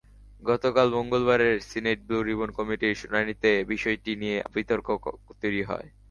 গতকাল মঙ্গলবারের senate blue ribbon কমিটির শুনানিতে বিষয়টি নিয়ে বিতর্ক তৈরি হয়।